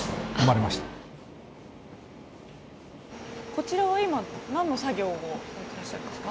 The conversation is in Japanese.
こちらは今何の作業をされてらっしゃるんですか？